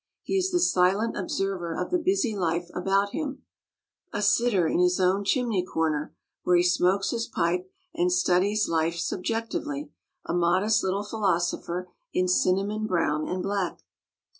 He is the silent observer of the busy life about him, a sitter in his own chimney corner, where he smokes his pipe and studies life subjectively, a modest little philosopher in cinnamon brown and black.